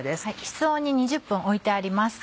室温に２０分おいてあります。